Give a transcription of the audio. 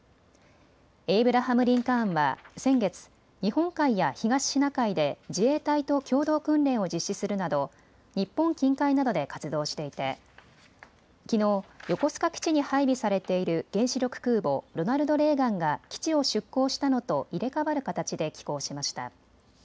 エイブラハム・リンカーンは先月、日本海や東シナ海で自衛隊と共同訓練を実施するなど日本近海などで活動していてきのう、横須賀基地に配備されている原子力空母ロナルド・レーガンが基地を出港したのと入れ代わる形で寄港しました。